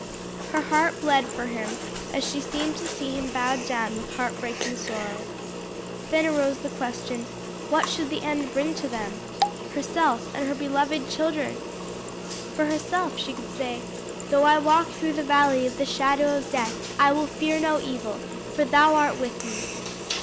Her heart bled for him, as she seemed to see him bowed down with heart breaking sorrow. Then arose the question "what should the end bring to them herself and her beloved children?" For herself she could say, "Though I walk through the valley of the shadow of death; I will fear no evil; for thou art with me."